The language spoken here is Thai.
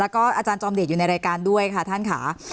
แล้วก็อาจารย์จอมเดชอยู่ในรายการด้วยค่ะท่านค่ะ